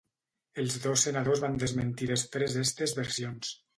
Els dos senadors van desmentir després estes versions.